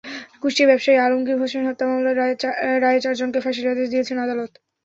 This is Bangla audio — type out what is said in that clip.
কুষ্টিয়ায় ব্যবসায়ী আলমগীর হোসেন হত্যা মামলার রায়ে চারজনকে ফাঁসির আদেশ দিয়েছেন আদালত।